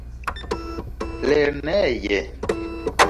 lerneje